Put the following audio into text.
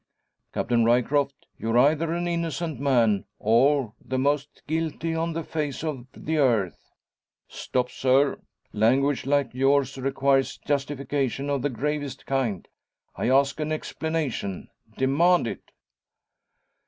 "Captain Ryecroft, you're either an innocent man, or, the most guilty on the face of the earth." "Stop, sir! Language like yours requires justification, of the gravest kind. I ask an explanation demand it!"